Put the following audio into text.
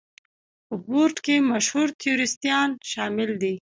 په بورډ کې مشهور تیوریستان شامل دي.